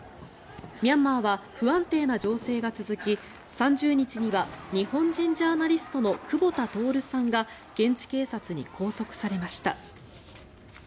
ミャンマーは不安定な情勢が続き３０日には日本人ジャーナリストの久保田徹さんが現地警察に拘束されました。